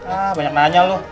ah banyak nanya lo